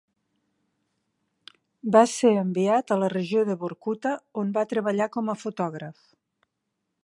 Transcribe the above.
Va ser enviat a la regió de Vorkuta, on va treballar com a fotògraf.